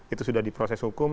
itu sudah diproses hukum